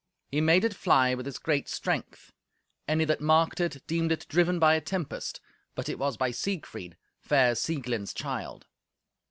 He made it fly with his great strength. Any that marked it deemed it driven by a tempest, but it was by Siegfried, fair Sieglind's child.